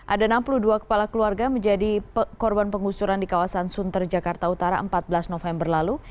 ada enam puluh dua kepala keluarga menjadi korban pengusuran di kawasan sunter jakarta utara empat belas november lalu